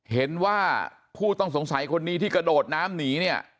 เห็นว่าผู้ต้องสงสัยคนนี้ที่กระโดดน้ำหนีเนี่ย